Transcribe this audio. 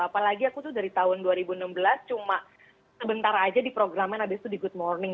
apalagi aku tuh dari tahun dua ribu enam belas cuma sebentar aja di programnya habis itu di good morning